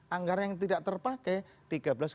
anggaran yang tidak terpakai